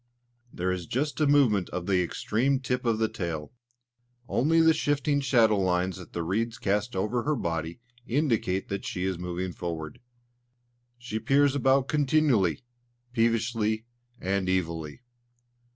There is just a movement of the extreme tip of the tail. Only the shifting shadow lines that the reeds cast over her body indicate that she is moving forward. She peers about continually, peevishly, and evilly.